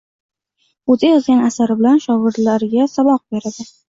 O’zi yozgan asari bilan shogirdigaga saboq beradi.